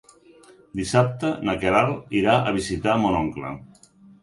Dissabte na Queralt irà a visitar mon oncle.